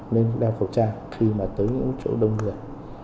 nên đeo khẩu trang khi mà tới những chỗ đông người